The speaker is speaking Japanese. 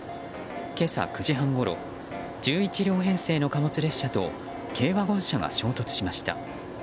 今朝９時半ごろ１１両編成の貨物列車と軽ワゴン車が衝突しました。